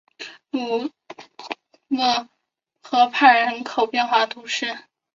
鲁勒河畔维雷人口变化图示